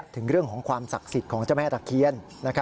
ถึงเรื่องของความศักดิ์สิทธิ์ของเจ้าแม่ตะเคียน